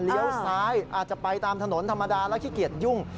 ซ้ายอาจจะไปตามถนนธรรมดาแล้วขี้เกียจยุ่ง